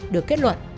được kết luận